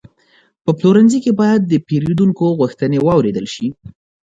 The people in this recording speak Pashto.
په پلورنځي کې باید د پیرودونکو غوښتنې واورېدل شي.